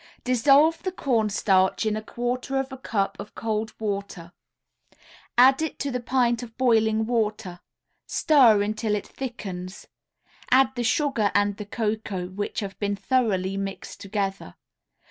Dissolve the cornstarch in a quarter of a cup of cold water, add it to the pint of boiling water, stir until it thickens, add the sugar and the cocoa, which have been thoroughly mixed together.